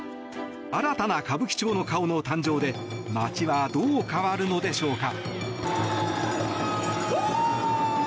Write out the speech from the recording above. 新たな歌舞伎町の顔の誕生で街はどう変わるのでしょうか？